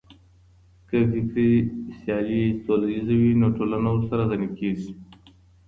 که فکري سيالي سوله ييزه وي نو ټولنه ورسره غني کېږي.